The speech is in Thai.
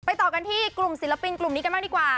ต่อกันที่กลุ่มศิลปินกลุ่มนี้กันบ้างดีกว่า